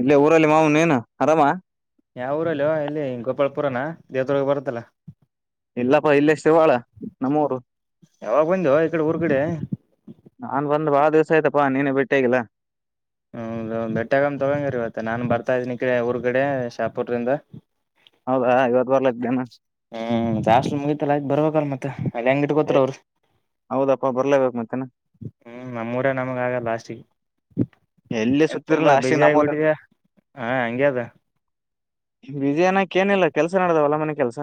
ಇಲ್ಲೇ ಊರಲ್ಲಿ ಮಾವು ನೀನು ಆರಾಮ ಯಾವ ಊರಲ್ಲ ಎಲ್ಲಿ ಗೋಪಾಳ ಪುರಾನ ದೇವ್ಗೆ ಬರುತ್ತಲ್ಲ ಇಲ್ಲಪ್ಪಾ ಇಲ್ಲಷ್ಟೇವಾಾಳ ನಮ್ಮೂರು ಯಾವಾಗ ಬಂದೋ ಈ ಕಡೆ ಊರ್ ಕಡೆ ನನ್ ಬಂದ ಬಹಳ ದಿವ್ಸ ಆಯ್ತಪ್ಪಾ ನೀನು ಬಿಟ್ಟೇಗಿಲ್ಲ ಹ್ಮ ಬೆಟ್ಟಗಮ್ಮ್ ತೊಗಂಗರಿವತ್ತ ನಾನನ್ ಬರ್ತಾ ಇದನಿ ಈ ಕಡೆ ಊರ್ ಕಡೆ ಶಾಪುರ್್ರಿಂದ ಹೌದಾ ಇವತ್ತು ಬರ್ಲ ಇದ್ದೇನ ಹ್ಮ್ ಜಾಸ್ ಮುಗತಲ್ಲ ಆಯ್ತ್ ಬರ್ಬೇಕಲ್ ಮತ್ತ ಅಲ್ಲಿ ಹೆಂಗಟ್ಕೋತ್ರ ಅವರು ಹೌದಪ್ಪಾ ಬರ್ಲೇಬೇಕಕ್ ಮತ್ತೇನ ಹ್ಮ್ ನಮ್ಮೂರ ನಮಗ ಆಗ ಲಾಸ್ಟಿಗೆ ಎಲ್ಲಿ ಏನ್ ತುಂಬಾ ಸುತ್ತಿರಲ್ಲ ಬಿಸಿ ಅಷ್ಟಿಗೆ ನಂಬೋದ ಆಗಿಬಿಟ್ಟಿದ್ಯಾ ಹಾ ಹಂಗೆ ಅದ ವಿಜಯಾನಕ್ ಏನಿಲ್ಲ ಕೆಲ್ಸ ನಡ್ದಾವ ಅಲ್ಲ ಮನೆ ಕೆಲ್ಸ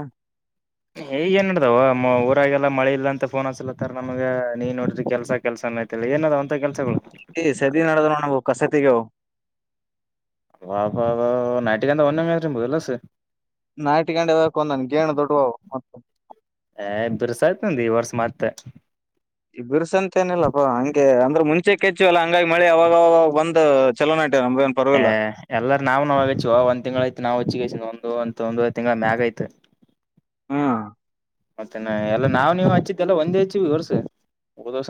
ಈಗ ಏನ್ ನಡ್ದವ ಊರಾಗೆಲ್ಲ ಮಳೆ ಇಲ್ಲ ಅಂತ ಫೋನ್ ಹಸಲತ್ತಾರ ನಮ್ಗ ನೀನ್ ನೋಡಿದ್ರಿ ಕೆಲ್ಸ ಕೆಲ್ಸ ನನ್ ಆ್ತಲ್ಲ ಏನ ಅಂತ ಕೆಲಸಗಳು ಸದ ನಡದ ನವು ಕಸತಿಗೆ ಹಾಾ ನೈಟಗಂತ ಒಂದ ಬಲ್ಲಸ ನಾಟಿಗಂಡವಕ್ ಒಂದನ್ ಗೇಣು ದೊಡ್ಡವವು ಮತ್ತು ಬಿರ್ಸಾಯ್ತಂದ ಈ ವರ್ಷ ಮತ್ತೆ ಈ ಬಿರ್ಸಂತೇನಿಲ್ಲಪ್ಪಾ ಹಂಗೆ ಅಂದ್ರೆ ಮುಂಚೆ ಕೆಚ್ಚು ಅಲ್ಲ ಹಂಗಾಗಿ ಮಳೆ ಅವಾಗ ಬಂದ್ ಚಲನಾಟಿ ಆ ಎಲ್ಲಾರ ನಾವವು ನಾವಾಗಚ್ಚ ಒಂದ ತಿಂಗ್ಗಳಾಯ್ತು ನಾ್ ಹೊಚ್ಚಿಗ ಂದು ಒ ಒಂದು ತಿಂಗಳ ಮ್ಯಾಗ ಐತೆ ಹ್ಮ್ ಮತ್ತೆನಾ ಎಲ್ಲಾ ನಾವವು ನೀವ್ ಹಚ್ಚಿದ್ದೆಲ್ಲ ಒಂದೇ ಹಚ್ಚಿವ ಇರ್ಸ ಹ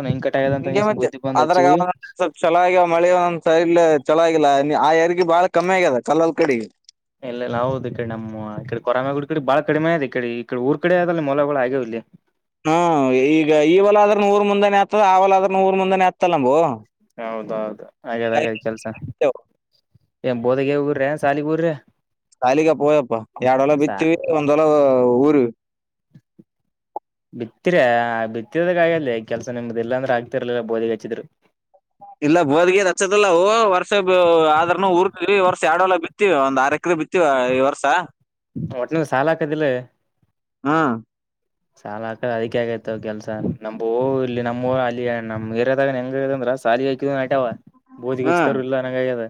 ಹಗೆ ಮತ್ತೆ ಅದ್ರಾಗ ಸ್ವಲ್ಪ್ ಚೆಲಾಗಿ ಮಳಿ ಒಂದ್ ಸೈಲ್ ಚಲಾಗಿಲ್ಲ ಆ ಹೆರಿಗೆ ಬಾಳ ಕಮ್ಮಿ ಆಗ್ಯದ ಕಲ್ಲಲ್ ಕಡೆಗೆ ಇಲ್ಲೆಲ್ಲಾ ಹೌದು ಈ ಕಡೆ ನಮ್ಮ್ ಈ ಕಡೆ ಕೊರಂಗ ಗುಡಿ ಕಡೆ ಬಾಳ ಕಡಿಮೆ ಆದೆ ಈ ಕಡೆ ಈಡೆ ಊರ್ ಕಡೆ ಅದ ಅಲ್ಲಿ ಮೊಲಗಳು ಆಗ್ಯವು ಇಲ್ಲಿ ಹಾ ಈಗ ಈವಲ ಆದದ್ರೂರ್ ಮುಂದಾನೇ ಆತದ ಆವಲ ಆದದ್ರ ಮೂರ್ ಮುಂದಾನೇ ಆಗ್ತಲ್ಲ ನಂಬುವು ಹೌದೌದು ಹಾಗ್ಯದ್ ಹಾಗಾದ್ ಕೆಲ್ಸ ಏ ಬೋದಗಗೆ ಊರ್ರ ಸಾಲಿಗ ಊರ್ರ ಕಾಲಗಪ್ಪೋಯ್ಯಪ್ಪ ಎರಡಲ ಸಾ ಬಿತ್ತವಿ ಒಂದಲ ಊರ್ ಬಿತ್ತರ ಆ ಬಿತ್ತರದ ಕಾಯಲ್ಲಿ ಕೆಲ್ಸ ನಿಮ್ದ ಇಲ್ಲಾಂದ್ರೆ ಆಗ್ತಿರ್ಲಿಲ್ಲ ಬೋಧಿಗೆ ಹಚ್ಚಿದ್ರು ಇಲ್ಲ ಬೋದ್ಗಿದ್ ಹಚ್ಚದಿಲ್ಲ ಈ ಈ ವರ್ಷ ಎರಡ್ ವಲ ಬಿತ್ತೀವಿ ಒಂದ ಆರ್ ಎಕರೆ ಬಿತ್ತೀವ ಈ ವರ್ಷ ಒಟ್ನಿಗೆ ಸಾಲ ಹಾಕದಿಲ್ಲ ಹ್ಮ್ ಸಾಲ ಹಾಕದ ಅದಿಕ ಆಗೈತ್ವ ಕೆಲ್ಸಾ ನಮ್ ಹೂ ಇಲ್ಲಿ ನಮ್ಮ ಅಲ್ಲಿ ನಮ್ ಇರದಾಗ ಹೆಂಗ ಇಂದ ಸಾಲಿಗೆ ಆಯಕ ನಟ್ಯ ಬೋದಿಗೆ ಹಾರ ಇಲ್ಲ ನಂಗ್ಯದ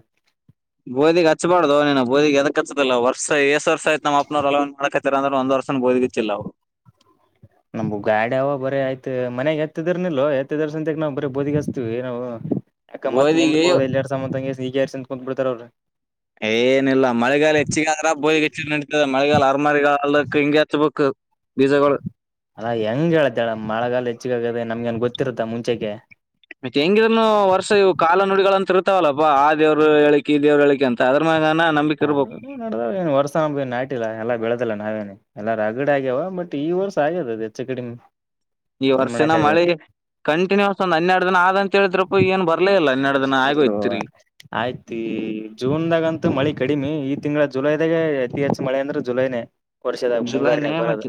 ಬೋದಿ ಹಚ್ಬಾರ್ದ್ ನೀನು ಬೋದಿಗೆ ಎದಕ್ ಹಚ್ಚತದಲ್ಲ ವರ್ಷ ಎಷ್ಟಸ್ ವರ್ಷಯತ ನಮ್ಮಪ್ಪನ್ರು ಎ ಮಾಡಕತ್ತ ಅಂದ್ರ ಒಂದ್ ಪ್ರಸ ಬೋದಗಿಸಿಲ್ಲ ಅವ ನಮ್ಗ್ ಗಾಡಿ ಅವ ಬರ ಆಯ್ತ್ ಮನಗ್ ಎತ್ತದರ್ನಲ್ೋ ಎತ್ತದರ ಸಂತೆಗ್ ನಾವವು ಬರೀ ಬೋದಿಗಸ್ತೀವಿ ನಾವು ಅಾಕ್ಕ ಮತ್ ಮುಂದ್ ಗೋಧಿಗಿ ಹೋದ ಎರಡು ಸ ಅಂಗ ಈಗರ್ಸ ಅಂತ ಕುತ್ ಬಿಡ್ತಾರ ಅವ್ರರು ಏನಿಲ್ಲ ಮಳೆಗಾಲ ಹೆಚ್ಚಿಗ ಆದ್ರ ಬೋಿಗೆ ಹೆಚ್ಚ ಮಳೆಗಾಲ ಅರಮರಿಗಾಲಕ್ಕೆ ಹಿಂಗೆ ಹಚ್ಬೇಕು ಬೀಜಗಳು ಅಲ್ಲಾ ಹೆಂಗ್ ಹೇಳತ್ತ ಮಳೆಗಾಲ ಹೆಚ್ಚಿಗ ಆಗ್ಯದೆ ನಮ್ಗೆನ್ ಗೊತ್ತಿರುತ್ತಾ ಮುಂಚೆಕ ಮತ್ತೆ ಹೆಂಗಿದ್ರನು ವರ್ಷ ಇವು ಕಾಲ ನುಡಿಗಳ ಅಂತ ಇರ್ತಾವಲ್ಲಪ್ಪಾ ಆ ದೇವ್ರ ಹೇಳಿಕೆ ಈ ದೇವ್ರ ಹೇಳಿಕಿ ಅಂತ ಅದ್ರ ಮ್ಯ ಹ ನನ್ ವರ್ಸ ನಾಟ ಇಿಲ್ಲ ಎಲ್ಲ ಬೆಳದ ಲ್ಲಾ ನಾವೇನೆ ಎಲ್ಲಾರ ಅಗಡ ಆಗ್ಯವ ಮಟ್ ಈ ವರ್ಷ ಆಗ್ಯದ ಅದು ಹೆಚ್ಚು ಕಡೆ ಈ ವರ್ಷಿನ ಮಳೆ ಕಂಟಿನ್ಯೂಯಸ್ ಒಂದ ಹನ್ನೆರಡು ದಿನ ಆದಂತ ಹೇಳಿದ್ರಪ್ಪ ಏನ್ ಬರ್ಲೇ ಇಲ್ಲ ಹನ್ನೆರಡು ದಿನ ಇಲ್ಲ ಆಗೋಯ್ತು ತಿರ್ಗಿ ಆಯ್ತ ಜೂನ್ದಾಗಂತು ಮಳೆ ಕಡಿಮೆ ಈ ತಿಂಗಳ ಜುಲೈದಾಗೆ ಅತಿ ಹೆಚ್ಚು ಮಳೆ ಅಂದ್ರೆ ಜುಲೈನೇ ವರ್ಷದಾಗ ಮುಂಗಾರನ ಬರದು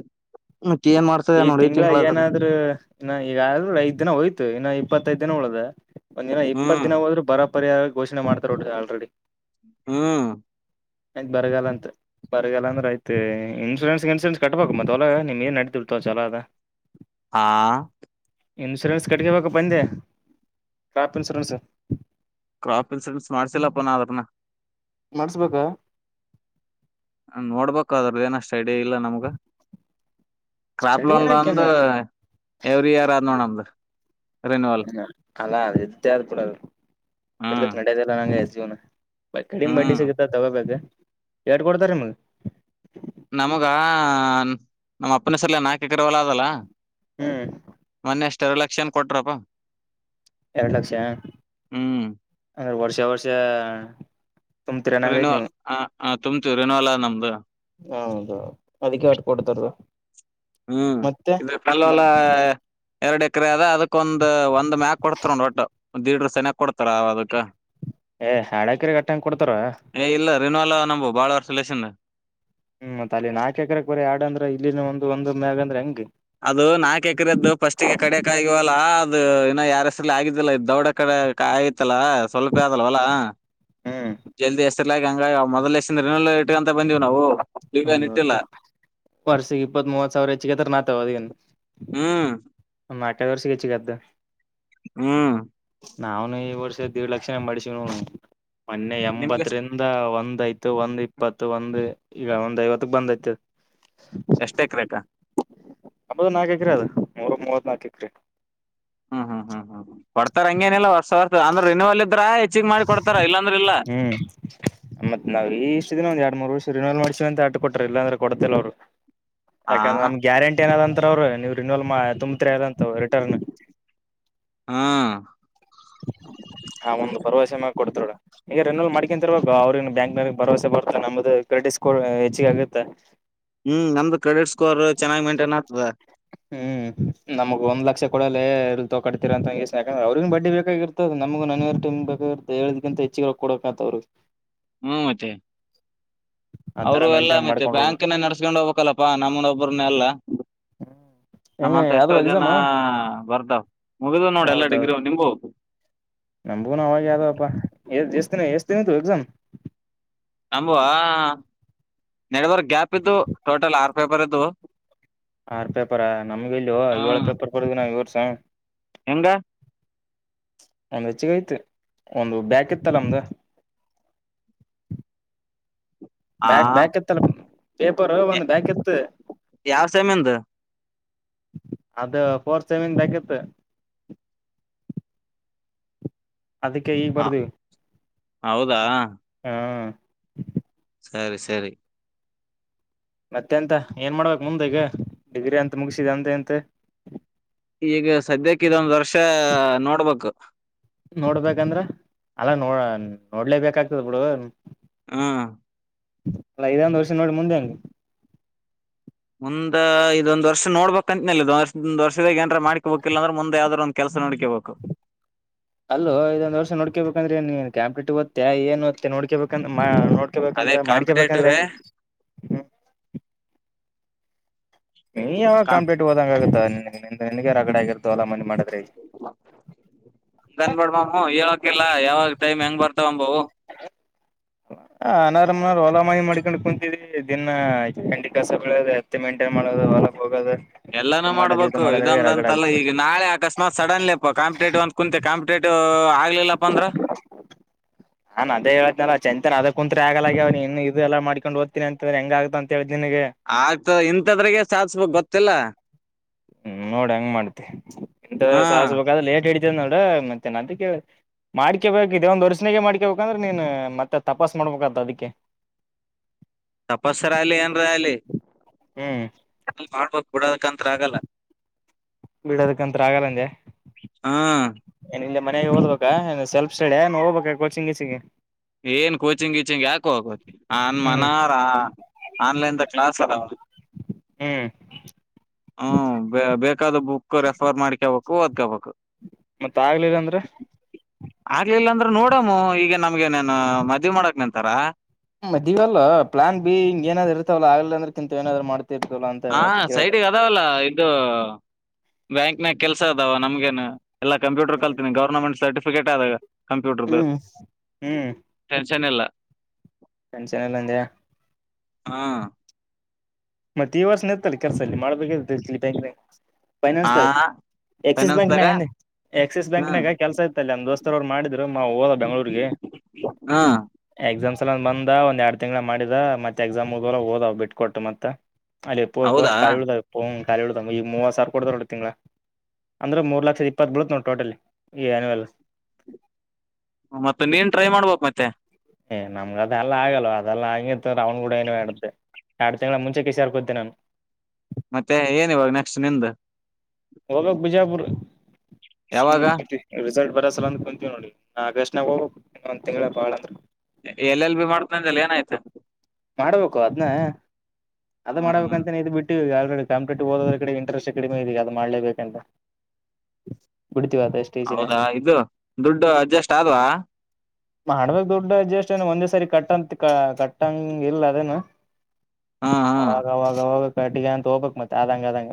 ಹ ಮಾಡ ಈ ತಿಂಗಗಳ ಏನಾದ್ೂ ಇ ಈಗಾದ್ರೂ ಐದ ದಿನ ಹೋಯ್ತು ಇನ್ನು ಇಪ್ಪತ್ತೈದ್ ದಿನ ಉಳ್ದ ಒಂದ್ ದಿನ ಇಪ್ಪತ್ತು ಹ್ಮ್ ದಿನ ಹೋದ್ರು ಬರ ಪರಿಯ ಘೋಷಣೆ ಮಾಡ್ತಾರೋಡಿ ಆಲ್ರೆಡಿ ಹ್ಮ್ ಆಯ್ತ್ ಬರಗಲ್ಲ ಅಂತ ಬರಗಲ್ಲ ಅಂದ್ರೆ ಆಯತ ಇನ್ಸೂರೆನ್ಸ್ ಇನ್ಸೂರೆನ್ಸ್ ಕಟ್ಬಬೇಕು ಮತ್ತ ಹೊಲ ನಿಮ್ ಏನ್ ನಡ ತೊ ಚಲೋದ ಹಾ ಇನ್ಶೂರೆನ್ಸ್ ಕಟ್ಗೆಬೇಕ ಬಂದೆ ಟ್ರಾಪ್ ಇನ್ಸೂರೆನ್ಸ್. ಕ್ರಾಪ್ ಇನ್ಸೂರೆನ್ಸ್ ಮಾಡ್ಸಿಲ್ಲಪ್ಪ ನಾ ಅದ್ರನ. ಮಾಡಸ್ಬೇಕ ನೋಡ್ಬೇಕ್ರದ್ದ ಏನಷ್ಟು ಐಡಿಯಾ ಇಲ್ಲ ನಮ್ಗ. ಕ್ರಾಪ್ ಸ್ಟಡಿ ಲೋನ್ ಒಂದು ಏನಕೇನು ಎವ್ರಿ ಇಯರ್ ಆಂದಣ ಅದು. ಹ್ಮ ಅಲ್ಲ ಅ [unintelligible] ಆದ ಕೂಡದು ಹ್ಮ್ ಇರ್ಲಿಕ್ ನಡ್ಯದಲ್ಲ ನಂಗ ಜೀವ್ನ ಕಡಿಮ್ ಬಡ್ಡಿ ಹ್ಮ್ ಸಿಗತ್ತ ತಗೋಬೇಕ ಎರಡ್ ಕೊಡ್ತಾರ ನಿಮ್ಗ್ ನಮಗ ನಮ್ಮ ಅಪ್ಪನ ಸಲ ನಾಕ ಚಗ್ರ ಒಲ ಅದಲ್ಲ ಹ್ಮ್ ಮೊನ್ನೆ ಎಷ್ಟ ಎರಡು ಲಕ್ಷನ ಕೊಟ್ರಪ್ಪ. ಎರಡ್ ಲಕ್ಷ ಹ್ಮ್ ವರ್ಷೆ ವರ್ಷ. ರಿನೋ ತುಂಬ್ತಿರನಂಗೈತ್ ನೀವು ಹ ಹ ತುಂಬ್ತ ರಿನೋ ಅಲಾ ನಮ್ದು. ಹೌದು ಅದಕ್ಕೆ ಆಟ್ ಕೊಡ್ತಾರ. ಹ್ಮ್ ಮತ್ತೆ ಇ ಕಲ್ಲೋಲ ಮತ್ ಎರಡು ಎಕರೆ ಅದ ಅದಕ್ಕೊಂದ್ ಒಂದ ಒಂದ್ ಮ್ಯಾಾಗ ಕೊಡ್ತಾರ ನ ಒಟ್ಟ ದೀಡ್ ರ ಸನಯ ಕೊಡ್ತಾರ ಅದಕ್ ಏ ಎರಡ್ ಎಕರೆ ಗಟ್ಟಂಗ ಕೊಡ್ತಾರ ಏ [unintelligible] ಅಲ್ಲ ನಂಬು ಬಾಳವರ್ ಸುಲಷನ್. ಹ್ಮ್ ಮತ್ತತ್ ಅಲ್ಲಿ ನಾಕ ಎಕರೆಕ್ ಬೀ ಆಡ ಅಂದ್ರ ಇಲ್ಲಿನ ಒಂದ ಒಂದ್ ಮ್ಯ ಅಂದ್ರೆ ಹೆಂಗೆ ಅದು ನಾಲ್ಕು ಎಕರೆದ್ದು ಫಸ್ಟ್ಗೆ ಕಡಕ್ ಆಗವಲ್ಲಾ ಅದು ಇನ್ನ ಯಾರ ಹೆಸ್ರಲಿ ಆಗಿದಿಲ್ಲ ದೊಡ್ಡ ಕಡೆ. ಕಾಯತ್ಲ್ಲ ಸಲ್ಪ ಅದಲ್ಲ ವೊಲ ಹ್ಮ್ ಜಲ್ದಿ ಎಸರ್ಲಾಗ ಹಂಗ ಮೊದ್ ಎಷ್ಟನ ಇಟ್ಕಂತ ಬಂದ್ ನಾವು. ಈಗ ಹೌದ ಇಟ್ಟಿಲ್ಲ ಹೌದು ವರ್ಷಿಗೆ ಇಪ್ಪತ್ತ್ ಮೂವತ್ ಸಾವಿರ ಹೆಚ್ಚಿಗೆತ್ರ ನಾತ ಅದಗನ್. ಹ್ಮ್ [unintelligible] ವರ್ಷಗೆಚ್ಚಿ ಗದ್ದವ್ರಿ. ಹ್ಮ್ ನಾವ ಈ ವರ್ಷ ದೀಡ್ ಲಕ್ಷನ ಮಾಡ್ಸ ಮೊನ್ನೆ ನಿಮಗ ಎಂಬತ್ತರಿಂದ ಒಂದ್ ಐತಿ ಇತ್ತು ಒಂದ್ ಇಪ್ಪತ್ತು ಒಂದ್ ಈಗ ಒಂದ್ ಐವತ್ತಕ್ ಬಂದೈತ್ ಎಸ್ಟೆಕ್ರ ಕ ಹತ್ ನಾಲ್ಕು ಎಕ್ರ ಅದ ಮೂರು ಮೂವತ್ ನಾಲ್ಕು ಎಕ್ರೆ. ಕೊಡ್ತಾರೆ ಹಂಗೇನಿಲ್ಲಲ್ಲ ಹೊಸರ್ ಅಂದ್ರೆ ನೀವ ಹ್ಮ್ ಮತ್ ನಾವ್ ಈ ಇಷ್ಟ ದಿನ ಒಂದ್ ಎರಡ್ ಮೂರು ವರ್ಷ ರಿಲ್ ಮಾಡ ತ ಅ ಕೊಟ್ರ ಇಲ್ಲಾಂದ್ರೆ ಕೊಡ್ಲ್ಲ ಅವ್ ಆ ಯಾಕಂದ್ರೆ ನಮ್ ಗ್ಯಾರಂಟಿ ಏನದಂತ ಅವ್ರರು ನೀವ ರಿನೋವಲ್ ತುಂಬತ್ ಅದಂತ ರಿಟರ್ನ್. ಹ್ಮ್ ಆ ಒಂದು ಭರವಸೆ ಮ್ಯಾಗ ಕೊಡ್ತಾರ ಈಗ ರೆನ್ನಲ್ ಮಾಡ್ಕಂತರ್ಬೇಕು ಅವ್ರ ಬ್ಯಾಂಕ್ ನಲ್ಲಿ ಭರವಸೆ ಬರ್ತಾ ನಮ್ದು ಕ್ರೆಡಿಟ್ ಸ್ಕೋರ್ ಹೆಚ್ಚಿಗ ಆಗುತ್ತೆ. ಹ್ಮ್ ನಮ್ದು ಕ್ರೆಡಿಟ್ ಸ್ಕೋರ್ ಚೆನ್ನಾಗ್ ಮೇಂಟೈನ್ ಆಗ್ತದ ಹ್ಮ್ ನಮ್ಗ ಒಂದ್ ಲಕ್ಷ ಕೊಡಲ್ಲೇ ಎ ತ ಕಡ್ತಿೀರ ಅಂತಂಗಷ್ಟ ಯಾಕಂದ್ರೆ ಅವ್ರಿಗ ಬಡ್ಡಿ ಬೇಕಾಗಿರ್ತದ ನಮ ನನ್ರ್ ಟೈಮ್ ಬೇಕ ಹೇಳಕಿಂತ ಹೆಚ್ಚು ಕೊಡಬೇಕಂತವ್ರರು. ಹ್ಮ್ ಮತ್ತೆ ಆತರ ಅವರು ಎಲ್ಲ ಮೇಂಟೈನ್ ಮತ್ತೆ ಮಾಡ್ಕೊಂಡ್ ಹೋಗ್ಬೇಕು ಬ್ಯಾಂಕ್ನ ನಡ್ಸ್ಕೊಂಡು ಹೋಗ್ಬೇಕಲ್ಲಪ್ಪಾ ನಮ್ಮನೊಬ್ಬ್ರನ್ನ ಎಲ್ಲ ಹೆಂಗ ನಮ್ಮಂತ ಎಷ್ಟೋ ಯಾವ್ದೋ ಜನ ಎಕ್ಸಾಮ್ ಬರ್ದಾವ್. ಮುಗಿದ ನೋಡಿ ಎಲ್ಲ ಡಿಗ್ರಿ ನಿಂಮ್ಗು ನಮಂಬೂನ ಅವಾಗ ಯಾವ್ದಪ್ಪ ಎ ಎಷ್ಟತಿನ ಎಷ್ಟತಿನಿು ಎಕ್ಸಾಮ್. ಅಂಬುವ ನೆಡ ಬರ್ ಗ್ಯಾಪ್ ಇದ್ದು ಟೋಟಲ್ ಆರು ಪೇಪರ್ ಇದ್ವು. ಆರ್ ಪೇಪರ ನಮ್ಗೆ ಇಲ್ ಏಳ ಪೇಪರ್ ಕೊಡದ ನಾವ ಈ ವರ್ಷ. ಎಂಗ ಒಂದ್ ಹೆಚ್ಚಗ ಐತಿ ಒಂದು ಬ್ಯಾಕ್ ಇತ್ತಲ್ಲ ನಮ್ದು. ಆ ಬ್ಯಾಕ್ ಬ್ಯಾಕ್ ಇತ್ತಲ್ಲ ಪೇಪರ್ ಒಂದ್ ಬ್ಯಾಕ್ ಇತ್ತು. ಯಾವ ಸೆಮಿಂದು ಅದು ಪಫೋರ್ಸೆಮನ್ ಆಗತ್ತು. ಅದಕ್ಕೆ ಈ ಹ ಬರ್ದಿವಿ ಹೌದಾ ಹ ಸರಿ ಸರಿ ಮತ್ತೆ ಅಂತ ಏನ್ ಮಾಡ್ಬೇಕಕ್ ಮುಂದೆ ಈಗ ಡಿಗ್ರಿ ಅಂತ ಮುಗಿಸಿದೆ ಅಂತ ಅಂತ ಈಗ ಸದ್ಯಕ್ಕೆ ಇದೊಂದ ವರ್ಷ ನೋಡ್ಬೇಕು. ನೋಡ್ಬೇಕಂದ್ರ ಅಲ್ಲಾ ನೋಡ ನೋಡ್ಲೇ ಬೇಕಾಗ್ತದ ಬಿಡು. ಹಾ ಅಲ್ಲ ಐದ ಒಂದ್ ವರ್ಷ ನೋಡಿ ಮುಂದೆ ಹಂಗೆ. ಮುಂದ ಇದೊಂದ ವರ್ಷ ನೋಡ್ಬೇಕಕ್ಂತತ್ನಲ್ಲ ಒ ವರ್ಷದಾಗಏಾರ ಮಾಡ್ಕಕ್ೋಬೇಕಿಲ್ಲ ಅಂದ್ರೆ ಮುಂದೆ ಯಾವ್ದ್ರು ಒ. ಕೆಲಸ ನೋಡ್ಕೊಬೇಕು. ಅಲ್ಲೋ ಇದೊಂದ ವರ್ಷ ನೋಡ್ಕೇಬೇಕಂದ್ರೆ ನೀ ಕ್ಯಾಂಪ್ಲಿಟ್ ಮ ಏನುತ್ತೆ ನೋಡ್ಕಬೇಕಂದ್ರ ಅದೇ ನೋಡ್ಕೋಬೇಕಂದ್ರೆ ಕಾಂಪಿಟೇಟಿವ್ ಮಾಡ್ಕೇಳ್ಬೇಕಂದ್ರೆ ಹೆಂಗ. ನೀ ಯಾವಾಗ ಕಂಪ್ಲೀಟ್ ಹೋದಂಗ ಆಗುತ್ತ ನಿನ ರಗಡೆ ಆಗಿತ ಅಲ್ಲ [unintelligible] ಮಾಡ ನ್ಬಡ ಮಮ್ಮ ಇವಕ ಇಲ್ಲ ಯಾವಾಗ ಟೈಮ್ ಹೆಂಗ್ ಬರ್ತಾವಂಬವು. [inaudible] ಹ ಅನಾರಾಮ್ನ ಓಲಾಮಾಯಿ ಮಾಡ್ಕೊಂಡ್ ಕುೂಂತಿದ್ದಿ ದಿನಾಐ ಗಂಟೆ ಕಸ ಬೆಳ ಹತ್ತು ಗಂಟೆ. ಮಾಡೋದು ಹೊಲಕ್ ಹೋಗದ. ಎಲ್ಲಾನೂ ಮಾಡ್ಬೇಕು ಇದೊಂದ ಅಂತಲ್ಲ ಆಗ್ತದೆ ಈಗ ನಾಳೆ ಅಕಸ್ಮಾತ್ ಸಡನ್ಲಿ ಅಪ್ಪಾ ಕಾಂಪಿಟೇಟಿವ್ ಅಂತ ಕುಂತೆ ಕಂಪಿಟೇಟಿವ್. ಆಗ್ಲಿಲ್ಲಪಂದ್ರ ಹಾನ್ ಅದೇಳ್ತನ ಚಂತ ಅದ ಕುಂತ್ ಆಗಲಾಗಿ ಅವ್ ಇನ್ ಇಲ್ಲ ಮಾಡ್ಕೊಂಡು ಓದತೀನ ಅಂತಂದ ಹೆಂಗ ಆತ ಅಂತ ಹೇಳಿ. ಆಗ್ತದೆ ಇಂಥದ್ರಾಗ ಸಾಧಸ್ಬೇಕಕ್ ಗೊತ್ತಿಲ್ಲ ಹ್ಮ್ ನೋಡ್ ಹಂಗ್ ಮಾಡ್ತಿ ಇಂತದ್ರಾಗ ಹಾ ಸಾಧಿಸಬೇಕಂದ್ರೆ ಲೇಟ್ ಇದ ನೋಡ ಮತ್ತೆ ನಂತ ಕೇಳ. ಮಾಡ್ಕೇಬೇಕು ಇದೇ ಒಂದ್ ಅರ್ಷಣೆಗೆ ಮಾಡ್ಕೇಬೇಕಂದ್ರೆ ನೀನ್ ಮತ್ತೆ ತಪಾಸ್ ಮಾಡ್ಬೇಕತ್ ಅದಕ್ಕೆ. [inaudible] ತಪಸ್ಸರ ಅಲಿ ಏನ್ರ ಅಲ್ಲಿ ಹ್ಮ್ ಮಾಡಬ. ಕೊಡೋದಕಂತ್ರ ಆಗಲ್ಲ. ಬಿಡೋದಕ್ಕಂತ ಆಗಲ್ಲ ಅಂದೆ ಹ್ಮ್ ನಿ ಮನೆಗೆ ಓದ್ಬೇಕ ಸೆಲ್ಫ್ ಏ ನ ಹೋಗಬೇಕ ಕೋಚಿಂಗ್ ಗೀಚಿಂಗ್ ಗೆ ಏನ್ ಕೋಚಿಂಗ್ ಈಚಿಂಗ್ ಯಾಕೋ ಹೋಗೋತಿ ಅನ್ ಹ್ಮ್ ಮನಾರ ಆನ್ಲೈನ್ ಕ್ಲಾಸ್ ಅದವ ಹ್ಮ್ ಹ್ಮ ಬೇಕಾದ ಬುಕ್ ರೆಫರ್ ಮಾಡಿಕ. ಕೂವದತ್ಕೋಬೇಕು ಮತ್ತತ್ ಆಗ್ಲಿಲ್ಲ ಅಂದ್ರೆ. ಆಗ್ಲಿಲ್ಲಾಂದ್ರ ನೋಡಮ್ಮ ಈಗ ನಮ್ಗೆ ನನ್ ಮದ್ವಿ ಮಾಡಕ್ ನಿಂತಾರ. ಮದುವೆ ಅಲ್ಲ ಪ್ಲಾನ್ ಬಿ ಹಿಂಗ್ ಇರ್ತವಲ್ಲ ಆಗಲಿ ಅಂದ್ರೆತ ಏನಾದ್ ಮಾಡ್. ಹಾ ಸೈಡಿಗೆ ಅದಾವಲ್ಲ ಇದು ಬ್ಯಾಂಕ್ನಾಗ ಕೆಲ್ಸ ಅದಾವ ನಮ್ಗೇನು. ಎಲ್ಲ ಕಂಪ್ಯೂರ್ ಕಲ್ತಿನಿ ಗೌರ್ಮೆಟ್ ಸರ್ಟಿಫಿಕೇಟ್ ಆದಾಗ. ಹ್ಮ್ ಹ್ಮ್ ಚೆನ್ನಲ್ಲ ಟೆನ್ಶನ್ ಎಲ್ಲ ಅಂದೆಯಾ. ಹಾ ಮತ್ತೆ ಈ ವರ್ಷ ಇರ್ತ್ತಲ್ಲ ಕೆಲಸದಲ್ಲಿ ಮಾಡ್ಬೇಕ ಬ್ಯಾಂ ಹ ಎಕ್ಸಿಸ್ ಬ್ಯಾಂಕ್ ನಾಗೆ ಆಕ್ಸಿಸ್ ಹ್ಮ್ ಬ್ಯಾಂಕ್ನಾಗ ಕೆಲಸ ಇತ್ತ ಅಲ್ಲಿ ನಂದ ದೋಸ್ತರವ್ರು ಮಾಡಿದ್ರು ಮಾ ಹೋದ ಬೆಂಗಳೂರಿಗೆ. ಹ್ಮ ಎಕ್ಸಾಮ್ಸ್ ಎಲಂದ ಬಂದಂದ ಎರಡ್ ತಿಂಗಳು ಮಾಡಿದ ಮತ್ತೆ ಎಕ್ಸಾಮ್ ಹದರ ಹೋದಾವ ಬಿಟ್ಕ ಕೊಟ್ಟು ಮತ್ತತ್. ಅಲ್ಲಿ ಹೌದಾ ಇಪ್ಪಫೋಸ್ಟ್ ಕಾಲಿ ಉಳ್ದಾವಪ್ಪ ಖಾಲಿ ಉಳದಾವ್ ಈ ಮೂವತ್ತು ಸಾವಿರ ಕೊಡದಾರೋ ತಿಂಗಳಾ. ಅಂದ್ರೆ ಮೂರ್ ಲಕ್ಷದ ಇಪ್ಪತ್ತು ಬೀಳುತ್ತತ್ ನೋಡು ಟೋಟಲ್ ಈ ನಲ್. ಮತ್ತೆ ನೀನ್ ಟ್ರೈ ಮಾಡ್ಬೇಕ ಮತ್ತೆ. ಏ ನಮ್ ಅದದೆಲ್ಲ ಆಗಲ್ವ ಅದೆಲ್ಲ ಹಂಗಿ ರೌಂಡ್ ಕೂಡ ಏನಡೆ ಎರಡು ತಿಂಗಳ ಮುಂ ಕ್ಕ ಸರ್ಕೊತೀನ್ ನಾನ್ ಮತ್ತೆ ಏನ್ ಇವಾಗ ನೆಕ್ಸ್ಟ್ ನಿಂದ್ ಹೋಗ್ಬೇಕು ಬಿಜಾಪುರ ಸುಮ್ ಯಾವಾಗ ರಿಸ್ ಬರ ಸಲಂದ್ ಕುಂತಿವ್ ನೋಡಿಗ್ ಆಗಸ್ಟನ್ಯಾಗ ಹೋಗಬೇಕು ಇನ್ನೊಂದ್ ತಿಂಗಳ ಬಾಳ್ ಅಂದ್ರ ಎಲ್ ಎಲ್ ಬಿ ಮಾಡ್ತ್ನ್ ಅಂದೆಲ ಏನಾಯ್ತ ಮಾಡ್ಬೇಕು ಅದ್ನ ಅದ ಹಾ ಹಾ ಮಾಡ್ಬೇಕಂತನೆ ಇದು ಬಿಟ್ಟುವ್ ಏರೆಡ್ ಕಾಂಪಿಟೇಟಿವ್ ಓದಡ್ರ್ ಕಡೆ ಇಂಟ್ರೆಸ್ಟ್ ಕಡಿಮೆ ಇದದೆ ಅದು ಮಾಡ್ಲೇಬೇಕಂತ. ಬಿಡ್ತೀವ ಅದ ಎಷ್ಟ ಈಜಿನ ಹೌದಾ ಇದು ದುಡ್ಡು ಅಡ್ಜಸ್ಟ್ ಆದ್ವಾ ಮಾಡ್ಬೇಕ್ ದುಡ್ಡ ಅಡ್ಜೆಸ್ಟ್ ಏನು ಒಂದೇ ಸರಿ ಕಟ್ಟಂತ ಕಟ್ಟಂಗ ಇಲ್ಲ ಅದೇನು ಹಾ ಹಾ ಅವಾಗ ಅವಾಗ ಅವಾಗ ಕಟ್ಟಿಗೆ ಅಂತ ಹೋಗ್ಬೇಕಕ್ ಮತ್ತೆ ಆದಂಗ ಆದಂಗ.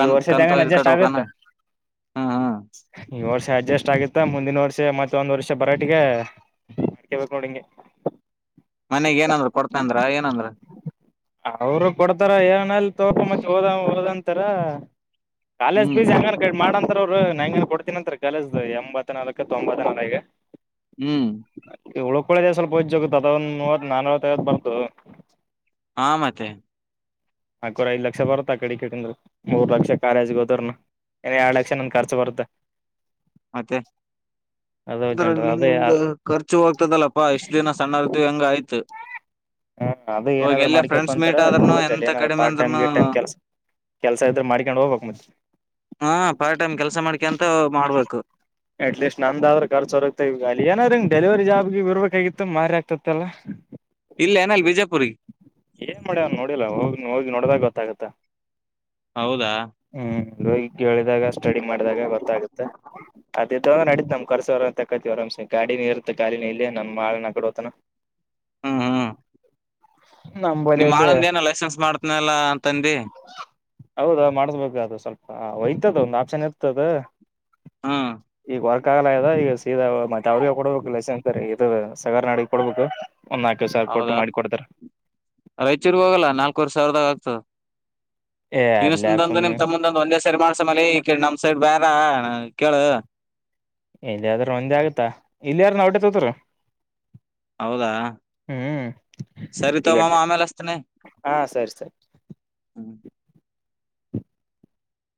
ಈ ಕಂತ ವರ್ಷದೆಂಗನ ಇದ್ ಅಡ್ಜಸ್ಟ್ ಆಗುತ್ತ ಕಟ್ಬೇಕಾನ ಹ್ಮ್ ಹ್ಮ್ [unintelligible] ಈ ವರ್ಷ ಅಡ್ಜಸ್ಟ್ ಆಗ ಮತ್ತ ಮುಂದಿನ ವರ್ಷ ಮತ್ತೆ ಒಂದ್ ವರ್ಷ ಬರಟಿಗ ಮಾಡ್ಕೇಬೇಕು ನೋಡಿಂಗೆ ಮನೆಗ್ ಏನಂದ್ರ ಕೊಡ್ತನಂದ್ರ ಏನಂದ್ರ [unintelligible] ಅವರು ಕೊಡ್ತಾರ ಏನಲ್ ಮ ಹಓದ ಓದಂತರ ಕಾಲೇಜ್ ಹ್ಮ್ ಪೀಸ್ [unintelligible] ಹೆಂಗರಾ ಮದಂತರವೃ. ಬ್ರೋ ನ್ಯಾಂಗನ ಕೊಡ್ತೀನಿ ಅಂತರ ಕಾಲೇಜ್ದ ಎಂಬತ್ ನಾಲ್ಕ ತೊಂಬತ್ತ ನಾಲ್ಕ ಹ್ಮ್ ಳೇ ಸ್ವಲ್ಪ ಹೊಜ್ಜೋಗ ಅದ ಒಂದು ನೂರ ನಾನುರೈವತ್ ಬರುತ್ ಅದೊಂದು ಹಾ ಮತೆ ನಾಕೊರಿ ಐದ್ ಲಕ್ಷ ಬರತ್ ಅಕಾಡಿಕಡಂದ್ರ ಮೂರ್ ಲಕ್ಷ ಕಾಲೇಜೆಗ್ ಹೋದ್ರುನು ಇನ್ ಎರಡ್ ಲಕ್ಷ ನನ್ ಖರ್ಚ ಬರುತ ಮತೆ ಅದು ಅಂದ್ರ ಜನ್ರ ಅದೇ ಹ ನಿಮ್ದು ಖರ್ಚು ಹೊಗ್ತದಲ್ಲಪ್ಪಾ ಇಷ್ಟು ದಿನ ಸಣ್ಣ್ದು ಹೆಂಗ ಆಯ್ತು. ಹಾ ಅದು ಇವಾಗ ಏನಾದ್ರರು ಎಲ್ಲ ಮಾಡಿಕಪ್ಪ ಫ್ರೆಂಡ್ಸ್ ಅಂತಾರ ಮೀಟ್ ಆದ್ರೂನು ನೋಡ್ಬೇಕಲ್ಲ ಎಂತ ಏನಾದ್ರು ಕಡಿಮೆ ಪಾರ್ಟ್ ಟೈಮ್ ಅಂದ್ರೂನು ಗೀಟೈಮ್ ಕೆಲ್ಸ ಕೆಲ್ಸ ಇದ್ರೆ ಮಾಡ್ಕೊಂಡ್ ಹೋಗ್ಬೇಕ್ ಮತೆ ಹಾ ಪಾರ್ಟ್ ಟೈಮ್ ಕೆಲ್ಸ ಮಾಡ್ಕೆಂತ ಮಾಡ್ಬೇಕು. ಅಟ್ಲೀಸ್ಟ್ ನಂದಾದ್ರರು ಕರ್ಚು ಹೊರಗ್ತ ಈವ ಅ ಏನಾದ್ರ ಹಂಗ್ ಡೆಲಿವರಿ ಜಾಬ್ ಗೀಬ್ ಇರ್ಬೇಕಾಗಿತ್ತು ಬಾರಿ ಆಗ್ತತ್ತಲ್ಲಾ. ಇಲ್ಲ ಏನಲ್ ಬಿಜಯಪುರ್ಗೆ ಏನ್ ಮಾಡ್ಯವ್ನ್ ನೋಡಿಲ್ಲ ಹೋಗಿ ಹೋಗಿ ನೋಡ್ದಾಗ ಗೊತ್ತಾಗತ್ತ. ಹೌದಾ ಓಗಿ ಕೇಳಿದಾಗ ಸ್ಟಡಿ ಮಾಡಿದಾಗ ಗೊತ್ತಾಗುತ ಅ ಇಡ್ವಿಯಾಂಡ್ರ ನಡೀತ್ ನಮ್ ಕರ್ಸ ಎಲ ತಕತಿ ಆರಾಮ್ಸ ಗಾಡಿ ನೀ ಇರುತ್ತೆ ಗಾಡಿನಲ್ಲಿ ನಮ್ಮಳ ನಗಡ ಹತನ ಹ್ಮ ಹಾ ನಮ್ ಬಲೆ ನಿಮ್ ಇದ್ದ ಆಳಂದ ಏನ ಲೈಸೆನ್ಸ್ ಮಾಡ್ತನಲ್ಲ ಅಂತಂದಿ. ಹೌದ ಮಾಡ್ಸ್ಬೇಕು ಅದು ಸ್ವಲ್ಪ ಒಯ್ತದ ಒಂದ್ ಆಪ್ಷನ್ ಇರ್ತದ ಹಾ ಈಗ ವರ್ಕ್ ಆಗಲ್ಲ ಆಗ್ಯದ ಈಗ ಸೀದಾ ಮತ್ತೆ ಅವ್ರಿಗ ಕೊಡ್ಬೇಕು ಲಲೆಸ ಅಂತ ಇದ ಸಗರ್ ನಾಡ ಕೊಡ್ಬೇಕು ಒಂದ್ ನಾಲ್ಕ ಸಾವರ ಕೊಟ್ಟು ಮಾಡಿ ಕೊಡ್ತರ. ರೈಚೂರಿಗೆಗ ಹೋಗಲ್ಲ ನಾಲ್ಕವರಿ ಸಾವೃದಗ ಆಗ್ತದ್ ಏ [unintelligible] ಅಲ್ಲಿ ಯಾಕ್ ದಿನಿಸ್ಡೊಂಡು ನಿಮ್ ಸುಮ್ನೆ ತಮ್ಮದೊಂದು ಒಂದೇ ಸರಿ ಮಾಡ್ ಸಮಲಿ ಇಲಿ ಇಕಡ್ ನಮ ಸೈಡ್ ಬ್ಯಾಡ ನಾ ಕೇಳ ಇಲ್ಲಿಯಾದ್ರೆ ಒಂದೆ ಆಗುತ್ತಾ ಇಲ್ಲಿಯಾದ್ರೂ ವುಟೇ ತೊಗೊಂತರ. ಹೌದಾ ಸರಿತೊಗ ಮಾಮ ಈಗಟ್ಟೆ ಆಮ್ಯಾಲಸ್ತುನ ಹಾ ಸರಿ ಸರಿ ಹ್ಮ